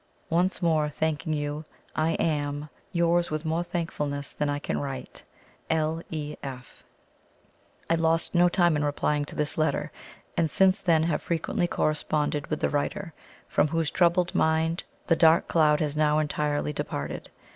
Once more thanking you, I am, "Yours with more thankfulness than I can write, "L. E. F." [I lost no time in replying to this letter, and since then have frequently corresponded with the writer, from whose troubled mind the dark cloud has now entirely departed.